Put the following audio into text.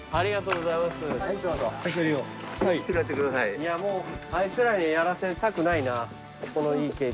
いやもうあいつらにやらせたくないなこのいい経験。